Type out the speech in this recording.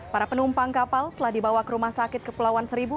para penumpang kapal telah dibawa ke rumah sakit kepulauan seribu